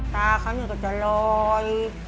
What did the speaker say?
ตาเขาหนึ่งก็จะลอย